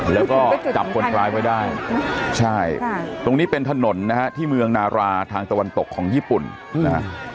แล้วก็จับคนร้ายไว้ได้ใช่ตรงนี้เป็นถนนนะฮะที่เมืองนาราทางตะวันตกของญี่ปุ่นนะฮะ